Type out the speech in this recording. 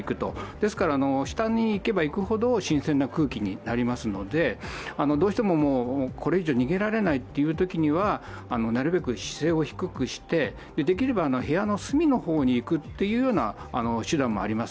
ですから下に行けば行くほど新鮮な空気になりますのでどうしても、これ以上逃げられないというときにはなるべく姿勢を低くして、できれば部屋の隅の方に行くという手段もあります。